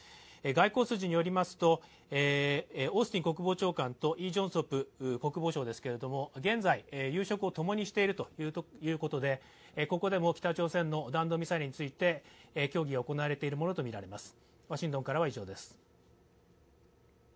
外交筋によりますと、オースティン国防長官と、イ・ジョンソプ国防相ですけれども現在、夕食をともにしているということで、ここでも北朝鮮の弾道ミサイルについて協議が行われているものとみられます。